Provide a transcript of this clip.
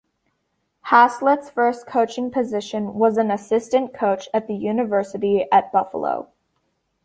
Haslett's first coaching position was as an assistant coach at the University at Buffalo.